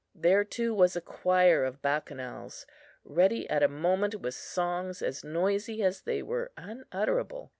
There too was a choir of Bacchanals, ready at a moment with songs as noisy as they were unutterable.